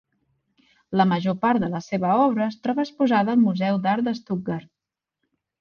La major part de la seva obra es troba exposada al Museu d'Art de Stuttgart.